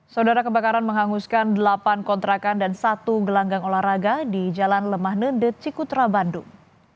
saudara kebakaran menghanguskan delapan kontrakan dan satu gelanggang olahraga di jalan lemah nendet cikutra bandung